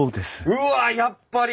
うわやっぱり！